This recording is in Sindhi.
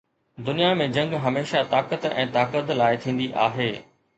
دنيا ۾ جنگ هميشه طاقت ۽ طاقت لاءِ ٿيندي آهي.